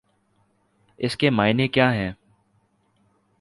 اس کے معانی کیا ہیں؟